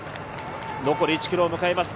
残り１ｋｍを迎えます